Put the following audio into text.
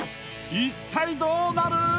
一体どうなる？